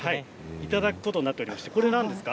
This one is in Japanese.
いただくことになっています